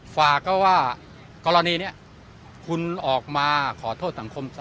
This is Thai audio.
ฝากก็ว่ากรณีนี้คุณออกมาขอโทษสังคม